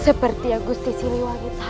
seperti agusti siliwangi tadi